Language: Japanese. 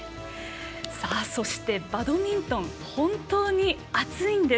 そして、バドミントン本当に熱いんです！